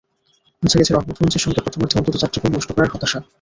মুছে গেছে রহমতগঞ্জের সঙ্গে প্রথমার্ধে অন্তত চারটি গোল নষ্ট করার হতাশা।